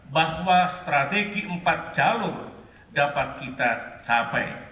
bahwa strategi empat jalur dapat kita capai